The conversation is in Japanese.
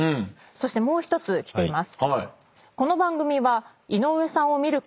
そしてもう１つ来ています。